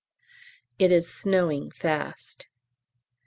(It is snowing fast.)